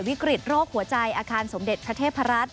ป่วยวิกฤตโรคหัวใจอาการสมเด็จพระเทพรัตน์